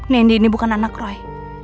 nendy ini bukan anak roy